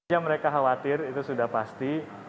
yang mereka khawatir itu sudah pasti